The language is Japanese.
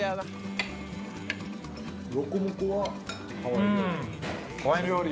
ロコモコはハワイ料理？